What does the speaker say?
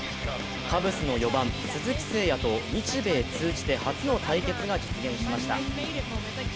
カブスの４番、鈴木誠也と日米通じて初の対決が実現しました。